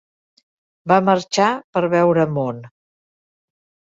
Va marxar per veure món.